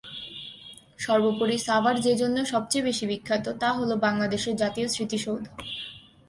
সর্বোপরি, সাভার যে জন্য সবচেয়ে বেশি বিখ্যাত তা হলো বাংলাদেশের জাতীয় স্মৃতিসৌধ।